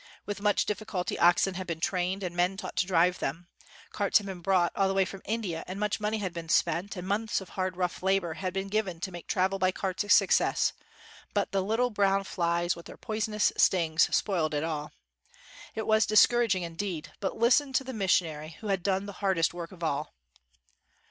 With much difficulty oxen had been trained and men taught to drive them. Carts had been brought all the way from India, and much money had been spent, and months of hard rough labor had been given to make travel by carts a success ; but the little brown flies with their poisonous stings spoiled it all. It was discouraging indeed; but listen to the missionary, who had done the hardest work of all.